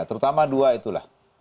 terutama dua itulah